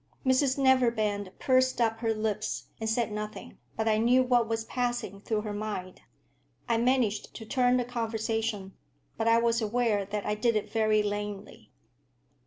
Mrs Neverbend pursed up her lips, and said nothing; but I knew what was passing through her mind. I managed to turn the conversation, but I was aware that I did it very lamely.